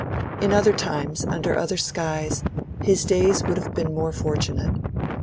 In other times, under other skies, his days would have been more fortunate.